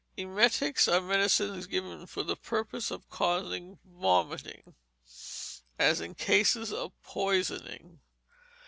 Emetics are medicines given for the purpose of causing vomiting, as in cases of poisoning.